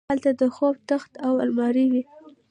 هلته د خوب تخت او المارۍ وې